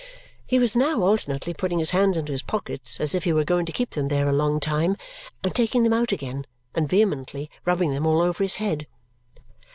He was now alternately putting his hands into his pockets as if he were going to keep them there a long time, and taking them out again and vehemently rubbing them all over his head.